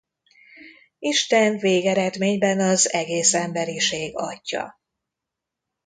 Isten végeredményben az egész emberiség Atyja.